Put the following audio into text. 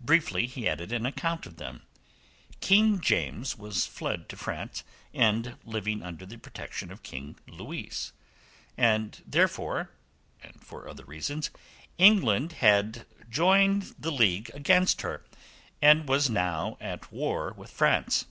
Briefly he added an account of them. King James was fled to France, and living under the protection of King Louis, wherefore, and for other reasons, England had joined the league against her, and was now at war with France.